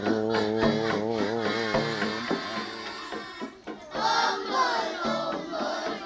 umbul umbul belambangan cema